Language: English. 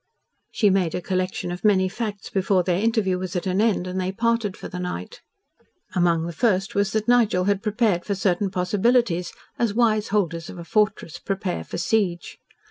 She made a collection of many facts before their interview was at an end, and they parted for the night. Among the first was that Nigel had prepared for certain possibilities as wise holders of a fortress prepare for siege.